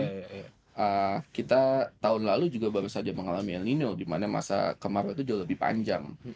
karena kita tahun lalu juga baru saja mengalami el nino di mana masa kemarau itu jauh lebih panjang